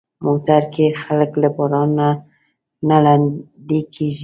موټر کې خلک له بارانه نه لندي کېږي.